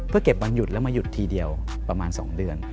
เก็บวันหยุดแล้วมาหยุดทีเดียวประมาณ๒เดือน